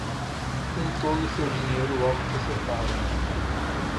Um tolo e seu dinheiro logo se separaram.